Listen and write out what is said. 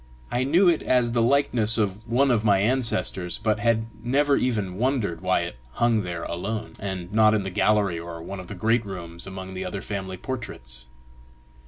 I knew it as the likeness of one of my ancestors, but had never even wondered why it hung there alone, and not in the gallery, or one of the great rooms, among the other family portraits.